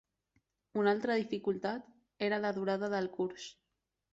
Una altra dificultat era la durada del curs.